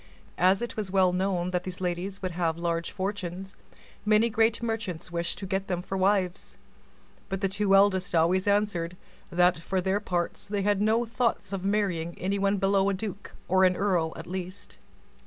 As it was well known that these young ladies would have large fortunes, many great merchants wished to get them for wives; but the two eldest always answered, that, for their parts, they had no thoughts of marrying anyone below a duke or an earl at least.